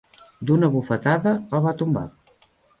D'una bufetada el va tombar.